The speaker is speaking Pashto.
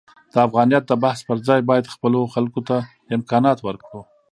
د افغانیت د بحث پرځای باید خپلو خلکو ته امکانات ورکړو.